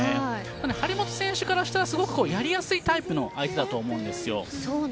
張本選手からするとやりやすいタイプの相手だと思うんです。